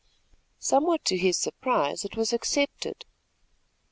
Somewhat to his surprise it was accepted.